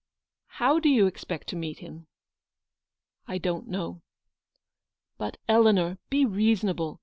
" How do you expect to meet him ?"" I don't know." "But, Eleanor, be reasonable.